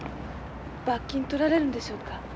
罰金取られるんでしょうか？